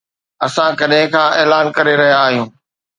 اسان ڪڏهن کان اعلان ڪري رهيا آهيون